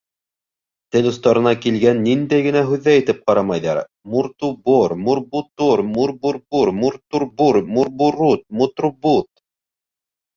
Тел остарына килгән ниндәй генә һүҙҙе әйтеп ҡарамайҙар: «муртубор, мурбутор, мурбурбур, муртурбур, мурбурут, мутрубут...»